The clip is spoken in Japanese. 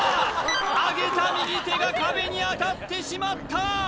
あげた右手が壁に当たってしまった！